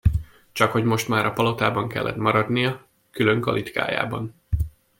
Csakhogy most már a palotában kellett maradnia, külön kalitkájában.